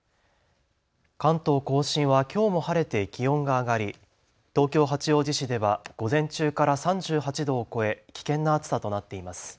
関東甲信はきょうも晴れて気温が上がり東京八王子市では午前中から３８度を超え危険な暑さとなっています。